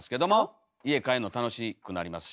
家帰んの楽しくなりますし。